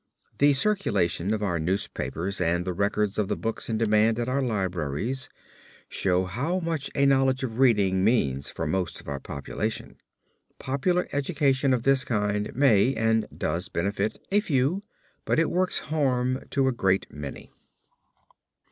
The circulation of our newspapers and the records of the books in demand at our libraries, show how much a knowledge of reading means for most of our population. Popular education of this kind may, and does benefit a few, but it works harm to a great many.